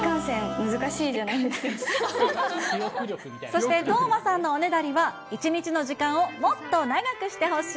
そして當真さんのおねだりは、一日の時間をもっと長くしてほしい。